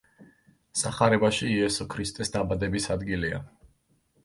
სახარებაში იესო ქრისტეს დაბადების ადგილია.